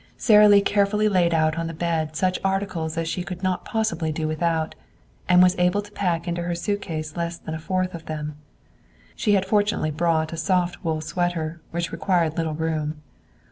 Sara Lee carefully laid out on the bed such articles as she could not possibly do without, and was able to pack into her suitcase less than a fourth of them. She had fortunately brought a soft wool sweater, which required little room.